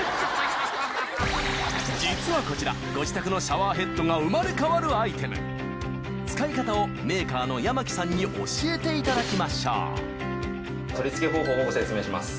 実はこちらご自宅のシャワーヘッドが生まれ変わるアイテム使い方をメーカーの八巻さんに教えていただきましょうをご説明します。